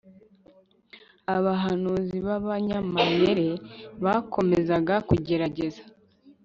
abahanuzi babanyamayere bakomezaga kugerageza